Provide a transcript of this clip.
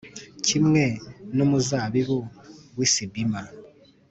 kimwe n’umuzabibu w’i Sibima,